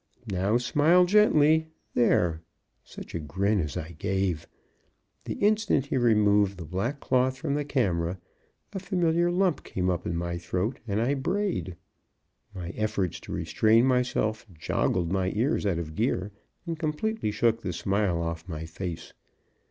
"Now, smile gently there!" Such a grin as I gave! The instant he removed the black cloth from the camera, a familiar lump came up in my throat, and I brayed. My efforts to restrain myself joggled my ears out of gear and completely shook the smile off my face.